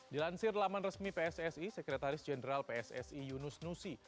dilansir laman resmi pssi sekretaris jenderal pssi yunus nusi